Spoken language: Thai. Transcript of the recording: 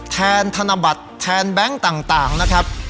แทนธนบัตรแทนแบงค์ต่างนะครับ